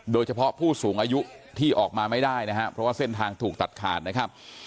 โดยเฉพาะผู้สูงอายุที่ออกมาไม่ได้นะครับเพราะว่าเส้นทางถูกตัดขาดนะครับ